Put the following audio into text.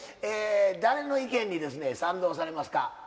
誰の意見にですね賛同されますか？